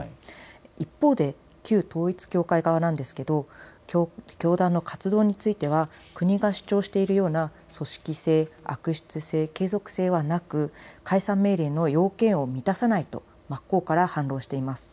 一方で旧統一教会側なんですが、教団の活動については国が主張しているような組織性、悪質性、継続性はなく解散命令の要件を満たさないと真っ向から反論しています。